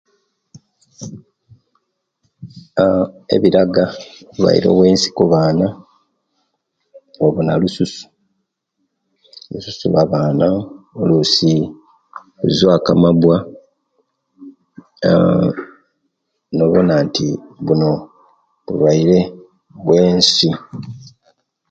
Aaah ebiraga obulwaire bwensi kubaana obona lususu lusus lwa'baana luisi luzuwaku amabwa aaah nobona nti buno buluwaire obweensi